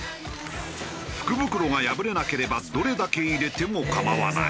福袋が破れなければどれだけ入れても構わない。